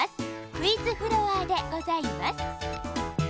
クイズフロアでございます。